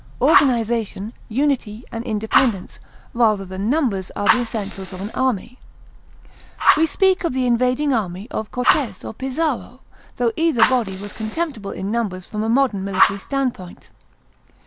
Organization, unity, and independence, rather than numbers are the essentials of an army. We speak of the invading army of Cortes or Pizarro, tho either body was contemptible in numbers from a modern military standpoint.